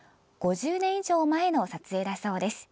５０年以上前の撮影だそうです。